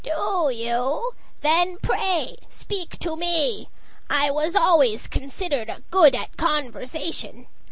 "Do you? Then pray speak to me. I was always considered good at conversation."